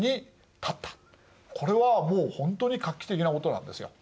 これはもうほんとに画期的なことなんですよ。